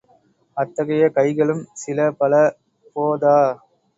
அத்தகைய கைகளும் சிலபல போதா.